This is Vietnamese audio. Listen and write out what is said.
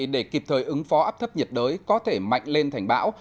để kịp thời ứng phó áp thấp nhiệt đới có thể mạnh lên thành bão